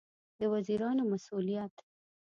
د وزیرانو مسوولیت